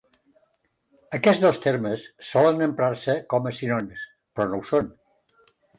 Aquests dos termes solen emprar-se com a sinònims, però no ho són.